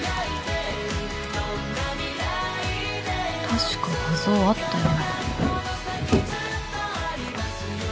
確か画像あったよな